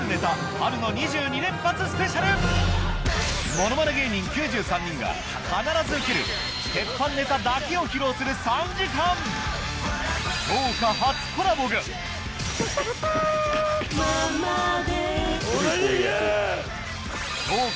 ものまね芸人９３人が必ずウケる鉄板ネタだけを披露する３時間東大に行け！